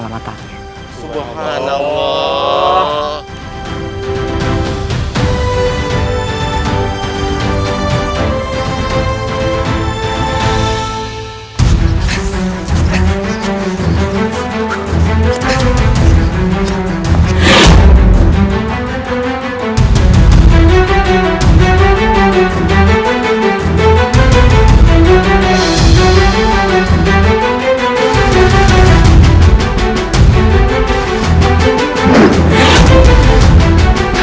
saya yamin selamat pagi